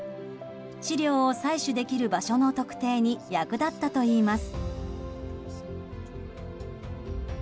試料を採取できる場所の特定に役立ったといいます。